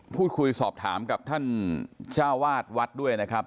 พูดคุยสอบถามกับท่านเจ้าวาดวัดด้วยนะครับ